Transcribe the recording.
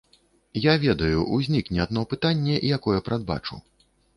Я ведаю, узнікне адно пытанне, якое прадбачу.